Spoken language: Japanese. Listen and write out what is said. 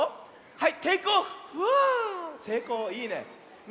はい。